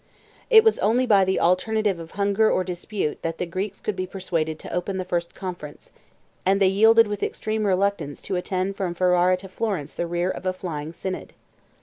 60 It was only by the alternative of hunger or dispute that the Greeks could be persuaded to open the first conference; and they yielded with extreme reluctance to attend from Ferrara to Florence the rear of a flying synod.